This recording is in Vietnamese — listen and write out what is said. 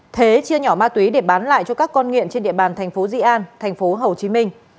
thế chia nhỏ ma túy để bán lại cho các con nghiện trên địa bàn thành phố di an thành phố hồ chí minh